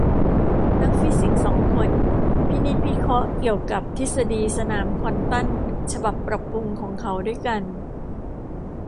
นักฟิสิกส์สองคนพินิจพิเคราะห์เกี่ยวกับทฤษฎีสนามควอนตัมฉบับปรับปรุงของเขาด้วยกัน